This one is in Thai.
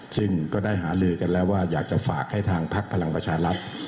ซึ่งก็ได้หาลือกันแล้วว่าอยากจะฝากให้ทางพักพลังประชารัฐ